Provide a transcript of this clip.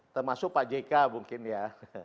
termasuk pak jk mungkin ya